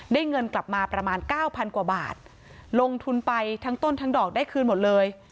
เงินกลับมาประมาณเก้าพันกว่าบาทลงทุนไปทั้งต้นทั้งดอกได้คืนหมดเลย